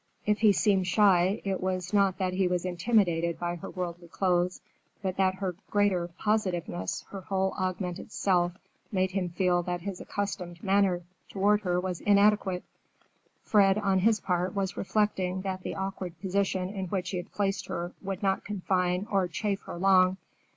If he seemed shy, it was not that he was intimidated by her worldly clothes, but that her greater positiveness, her whole augmented self, made him feel that his accustomed manner toward her was inadequate. Fred, on his part, was reflecting that the awkward position in which he had placed her would not confine or chafe her long.